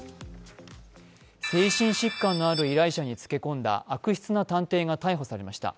精神疾患のある依頼者につけ込んだ悪質な探偵が逮捕されました。